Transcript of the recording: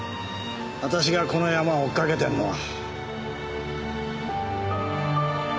私がこのヤマを追っかけてるのは。